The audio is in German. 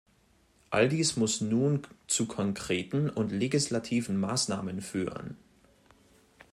All dies muss nun zu konkreten und legislativen Maßnahmen führen.